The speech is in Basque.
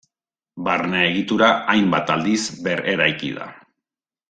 Barne egitura hainbat aldiz berreraiki da.